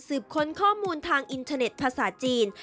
ค้นข้อมูลทางอินเทอร์เน็ตภาษาจีน